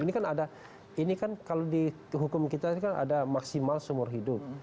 ini kan ada ini kan kalau di hukum kita ini kan ada maksimal seumur hidup